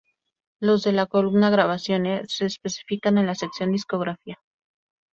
Los de la columna "Grabaciones" se especifican en la sección "Discografía".